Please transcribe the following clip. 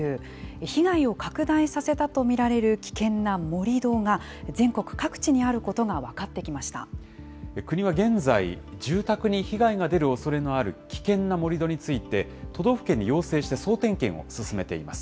被害を拡大させたと見られる危険な盛り土が、全国各地にあること国は現在、住宅に被害が出るおそれがある危険な盛り土について、都道府県に要請して総点検を進めています。